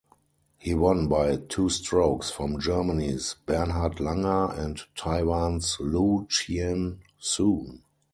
He won by two strokes from Germany's Bernhard Langer and Taiwan's Lu Chien-soon.